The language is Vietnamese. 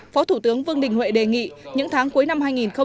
phó thủ tướng vương đình huệ đề nghị những tháng cuối năm hai nghìn một mươi chín